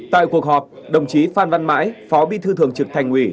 tại cuộc họp đồng chí phan văn mãi phó bí thư thường trực thành ủy